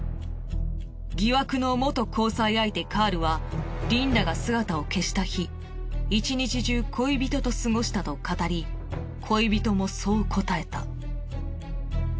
疑惑の元交際相手カールはリンダが姿を消した日１日中恋人と過ごしたと語り恋人もそう答えた。